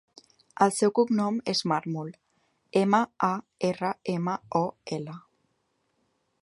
El seu cognom és Marmol: ema, a, erra, ema, o, ela.